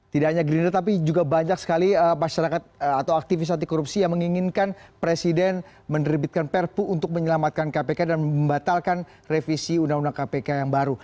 tidak hanya gerindra tapi juga banyak sekali masyarakat atau aktivis anti korupsi yang menginginkan presiden menerbitkan perpu untuk menyelamatkan kpk dan membatalkan revisi undang undang kpk yang baru